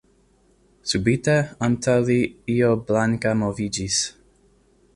Subite antaŭ li io blanka moviĝis.